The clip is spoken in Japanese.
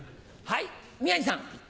はい宮治さん。